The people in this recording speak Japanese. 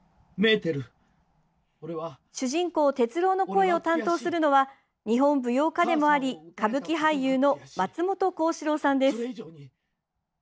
主人公・鉄郎の声を担当するのは日本舞踊家でもあり歌舞伎俳優の松本幸四郎さんです。